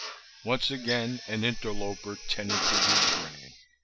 Once again an interloper tenanted his brain.